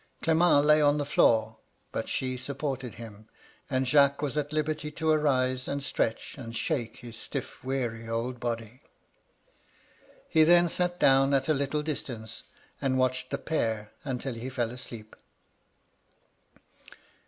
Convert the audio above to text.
Clement lay on the floor, but she supported him, and Jacques was at liberty to arise and stretch and shake his stifi*, weary old body. He then sat down at a little distance, and watched the pair until he fell asleep.